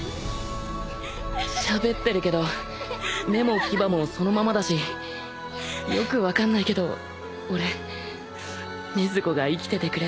しゃべってるけど目も牙もそのままだしよく分かんないけど俺禰豆子が生きててくれて。